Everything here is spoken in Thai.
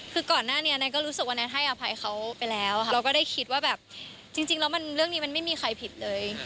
คือก่อนหน้านี้แนนก็รู้สึกว่าแนนให้อภัยเขาไปแล้วค่ะเราก็ได้คิดว่าแบบจริงแล้วเรื่องนี้มันไม่มีใครผิดเลย